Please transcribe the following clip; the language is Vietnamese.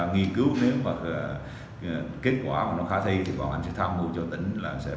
nghị cứu nếu mà kết quả nó khá thi thì bọn anh sẽ tham mưu cho tỉnh